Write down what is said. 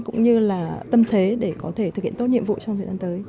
cũng như là tâm thế để có thể thực hiện tốt nhiệm vụ trong thời gian tới